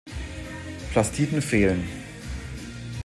Plastiden fehlen.